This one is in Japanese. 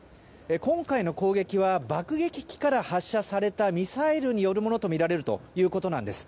今回の攻撃は爆撃機から発射されたミサイルによるものとみられるということです。